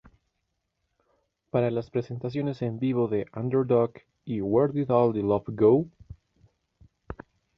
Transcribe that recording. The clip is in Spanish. Para las presentaciones en vivo de "Underdog" y "Where did all the love go?